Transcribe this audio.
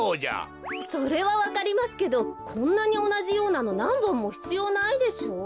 それはわかりますけどこんなにおなじようなのなんぼんもひつようないでしょ？